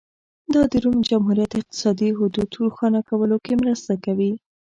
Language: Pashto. دا د روم جمهوریت اقتصادي حدود روښانه کولو کې مرسته کوي